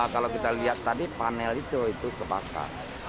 kalau kita lihat tadi panel itu itu kebakar